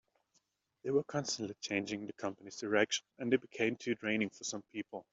They were constantly changing the company's direction, and it became too draining for some people.